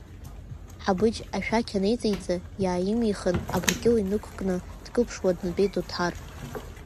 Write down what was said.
Ҳабыџь ашәақь анеиҵеиҵа, иааимихын, абыркьыл инықәкны дкылԥшуа днатәеит Оҭар.